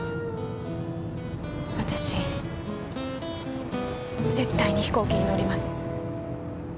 私絶対に飛行機に乗ります。